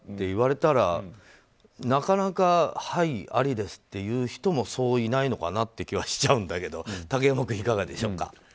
言われたらなかなかはい、ありですって言う人もそういないのかなって気はしちゃうんだけど竹山君、いかがでしょうか？